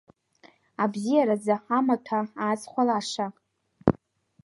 Абзиаразы амаҭәа аазхәалаша!